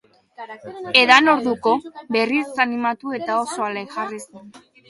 Edan orduko, berriz animatu eta oso alai jarri zen.